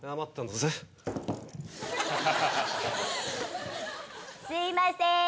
すみません。